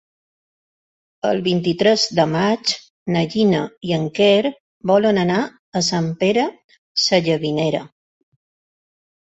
El vint-i-tres de maig na Gina i en Quer volen anar a Sant Pere Sallavinera.